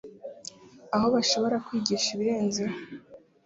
aho bashobora kwigishwa ibirenzeho